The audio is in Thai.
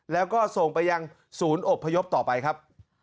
แล้วก็ส่งไปยังศูนย์อบพยพต่อไปครับ